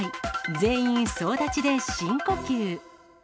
全員総立ちで深呼吸。